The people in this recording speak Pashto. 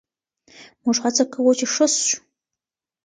موږ هڅه کوو چې ښه شو.